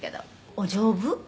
「お丈夫？」